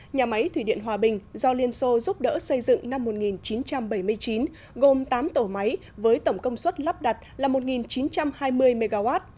nhà máy thủy điện hòa bình do liên xô giúp đỡ xây dựng năm một nghìn chín trăm bảy mươi chín gồm tám tổ máy với tổng công suất lắp đặt là một chín trăm hai mươi mw